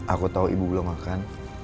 aku tahu ibu belum makan